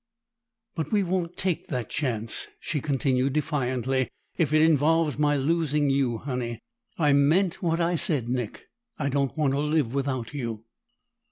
"But we won't take that chance," she continued defiantly, "if it involves my losing you, Honey. I meant what I said, Nick: I don't want to live without you!"